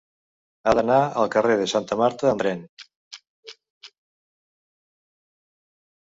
He d'anar al carrer de Santa Marta amb tren.